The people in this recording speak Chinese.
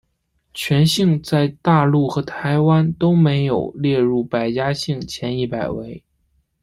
全姓在大陆和台湾都没有列入百家姓前一百位。